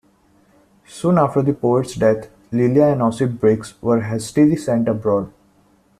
Soon after the poet's death, Lilya and Osip Briks were hastily sent abroad.